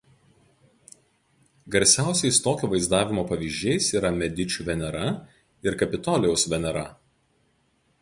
Garsiausiais tokio vaizdavimo pavyzdžiais yra „Medičių Venera“ ir „Kapitolijaus Venera“.